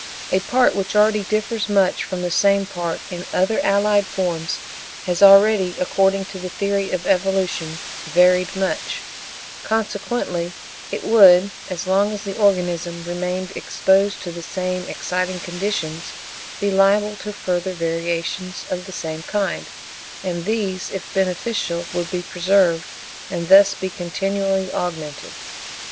A part which already differs much from the same part in other allied forms has already, according to the theory of evolution, varied much; consequently it would (as long as the organism remained exposed to the same exciting conditions) be liable to further variations of the same kind; and these, if beneficial, would be preserved, and thus be continually augmented.